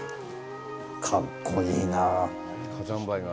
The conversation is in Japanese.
かっこいいなあ。